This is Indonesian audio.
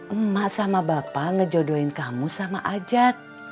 emak sama bapak ngejodohin kamu sama ajat